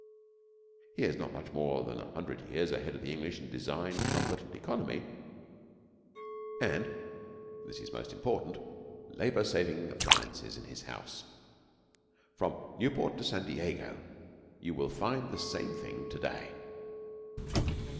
He is not much more than a hundred years ahead of the English in design, comfort, and economy, and (this is most important) labour saving appliances in his house. From Newport to San Diego you will find the same thing to day.